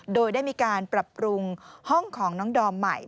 โดยได้มีการปรับปรุงห้องของน้องดอมใหม่